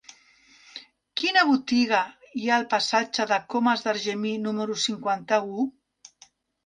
Quina botiga hi ha al passatge de Comas d'Argemí número cinquanta-u?